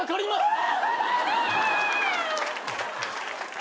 え